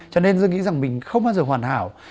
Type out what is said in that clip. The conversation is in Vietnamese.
cho nên tôi nghĩ rằng mình không bao giờ hoàn hảo